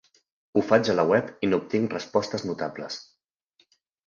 Ho faig a la web i n'obtinc respostes notables.